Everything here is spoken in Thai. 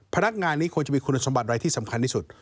พนักงานนี้ควรจะมีคุณสมบัติอะไรที่สำคัญที่สุด